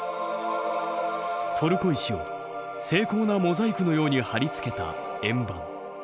トルコ石を精巧なモザイクのようにはり付けた円盤。